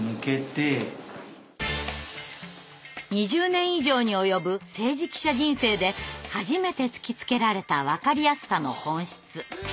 ２０年以上に及ぶ政治記者人生で初めて突きつけられた「わかりやすさ」の本質。